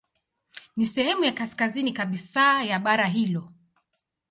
Ni sehemu ya kaskazini kabisa ya bara hilo.